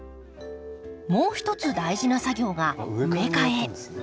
もう一つ大事な作業が植え替え。